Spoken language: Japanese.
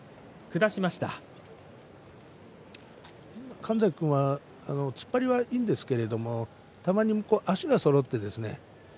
神崎君は突っ張りがいいんですけれどたまに足がそろってね